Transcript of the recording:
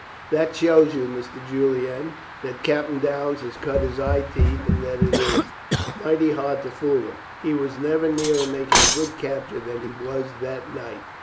That shows you, Mr. Julian, that Captain Downes has cut his eye teeth, and that it is mighty hard to fool him. He was never nearer making a good capture than he was that night.